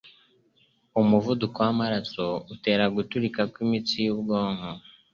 Umuvuduko w"amaraso utera guturika imitsi yo mu bwonko